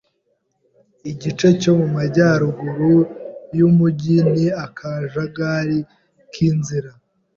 Igice cyo mu majyaruguru yumujyi ni akajagari k'inzira.